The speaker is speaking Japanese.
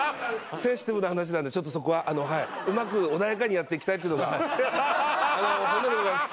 センシティブな話なんでちょっとそこはあのはいうまく穏やかにやっていきたいというのがあの本音でございます